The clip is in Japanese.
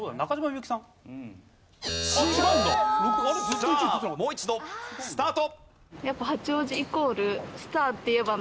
さあもう一度スタート。